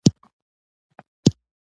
تنور د دود او دودیز ژوند نښه ده